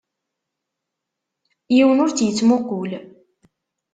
Yiwen ur tt-ittmuqqul.